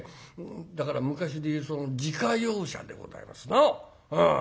だから昔で言う自家用車でございますな。